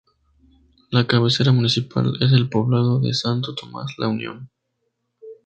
La cabecera municipal es el poblado de Santo Tomás La Unión.